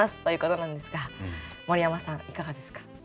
ということなんですが森山さんいかがですか。